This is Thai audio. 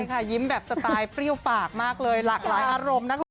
ยิ้มแบบสไตล์เปรี้ยวปากมากเลยหลากหลายอารมณ์นะคะ